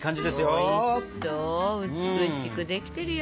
おいしそう美しくできてるよ！